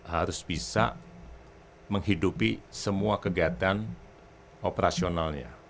harus bisa menghidupi semua kegiatan operasionalnya